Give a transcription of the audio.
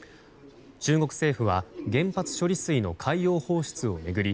中国政府は原発処理水の海洋放出を巡り